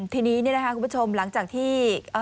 ทีนี้นะคะคุณผู้ชมหลังจากที่